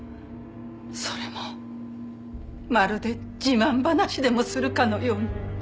それもまるで自慢話でもするかのように。